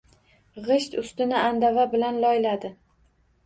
G’isht ustini andava bilan loyladi.